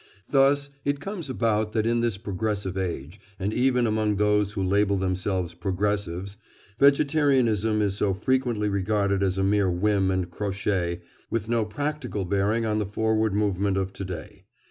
Thus it comes about that in this progressive age, and even among those who label themselves "progressives," vegetarianism is so frequently regarded as a mere whim and crotchet, with no practical bearing on the forward movement of to day.